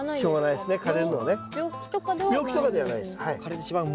病気とかではないんですね。